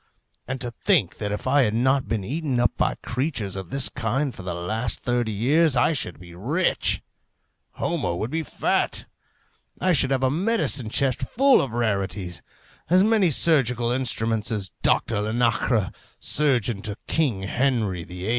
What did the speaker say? And to think that if I had not been eaten up by creatures of this kind for the last thirty years, I should be rich; Homo would be fat; I should have a medicine chest full of rarities; as many surgical instruments as Doctor Linacre, surgeon to King Henry VIII.